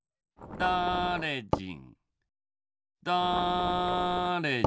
だれじん。